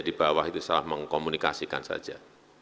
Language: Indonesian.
di bawah itu salah mengkomunikasikan saja